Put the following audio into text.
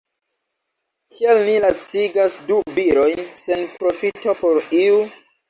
Kial ni lacigas du virojn sen profito por iu?